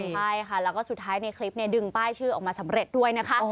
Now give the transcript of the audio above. ใช่ค่ะแล้วก็สุดท้ายในคลิปดึงป้ายชื่อออกมาสำเร็จด้วยนะคะ